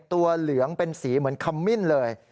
เหลืองเป็นสีเหมือนคำมิ้นเลย